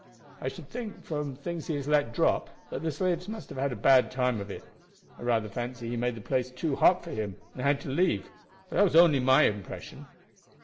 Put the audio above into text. I should think, from things he has let drop, that the slaves must have had a bad time of it. I rather fancy he made the place too hot for him, and had to leave; but that was only my impression."